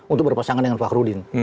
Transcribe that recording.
untuk berpasangan dengan fakhrudin